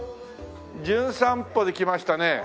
『じゅん散歩』で来ましたね